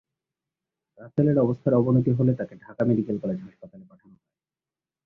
রাসেলের অবস্থার অবনতি হলে তাঁকে ঢাকা মেডিকেল হলেজ হাসপাতালে পাঠানো হয়।